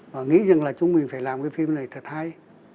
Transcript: và nghĩ rằng là chúng mình phải làm cái phim này thật hay